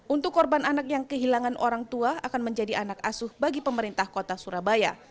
untuk korban anak yang kehilangan orang tua akan menjadi anak asuh bagi pemerintah kota surabaya